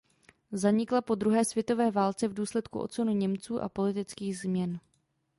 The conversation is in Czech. Zanikla po druhé světové válce v důsledku odsunu Němců a politických změn.